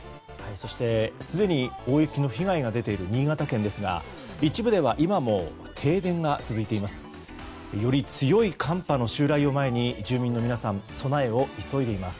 そして、すでに大雪の被害が出ている新潟県ですが一部では今も停電が続いています。